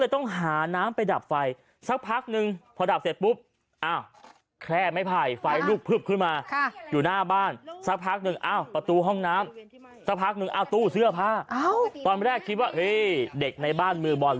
ตอนแรกคิดว่าเฮ้ยเด็กในบ้านมือบอลหรือเปล่า